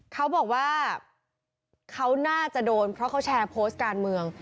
เขาบอกว่าเขาน่าจะโดนเพราะเขาแชร์โพสต์การเมือง